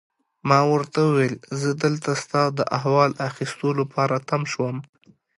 ما ورته وویل: زه دلته ستا د احوال اخیستو لپاره تم شوم.